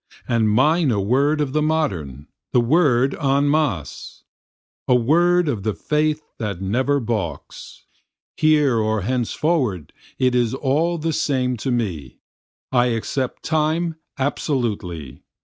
And mine a word of the modern, the word En Masse. A word of the faith that never balks, Here or henceforward it is all the same to me, I accept Time absolutely.